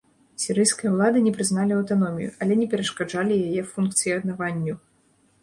Сірыйскія ўлады не прызналі аўтаномію, але не перашкаджалі яе функцыянаванню.